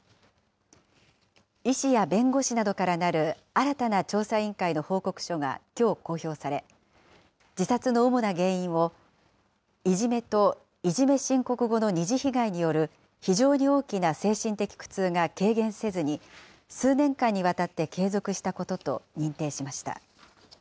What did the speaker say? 医師や弁護士などからなる新たな調査委員会の報告書がきょう公表され、自殺の主な原因を、いじめと、いじめ申告後の二次被害による非常に大きな精神的苦痛が軽減せずに、数年間にわたって継続したことと認定しました。